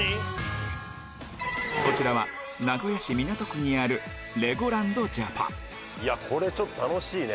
こちらは名古屋市港区にあるこれちょっと楽しいね。